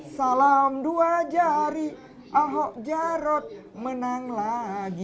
salam dua jari ahok jarot menang lagi